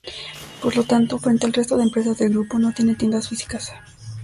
Por lo tanto, frente al resto de empresas del grupo, no tiene tiendas físicas.